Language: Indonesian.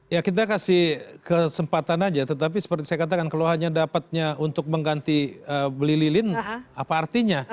ya kita kasih kesempatan aja tetapi seperti saya katakan kalau hanya dapatnya untuk mengganti beli lilin apa artinya